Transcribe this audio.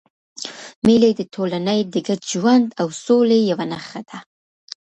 مېلې د ټولني د ګډ ژوند او سولي یوه نخښه ده.